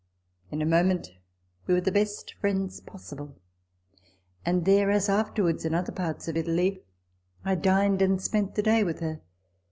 In a moment we were the best friends possible ; and there, as afterwards in other parts of Italy, I dined and spent the day with her.